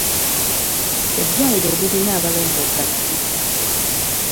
Eddwaliro lirina abalongoosa babiri.